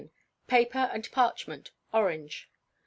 Paper and Parchment. _Orange.